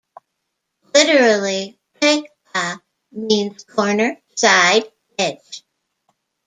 Literally, "pe'ah" means "corner, side, edge".